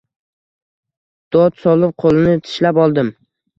Dod solib qo‘lini tishlab oldim.